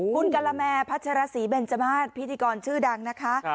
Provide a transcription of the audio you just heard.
คุณกะละแมพัชรสีเบนจมาสพิธีกรชื่อดังนะคะ